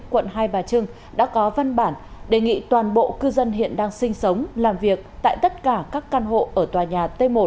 quận hai bà trưng đã có văn bản đề nghị toàn bộ cư dân hiện đang sinh sống làm việc tại tất cả các căn hộ ở tòa nhà t một